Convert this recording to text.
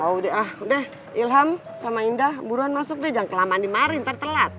udah ilham sama indah buruan masuk deh jangan kelamaan di mari ntar telat